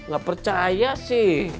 gak percaya sih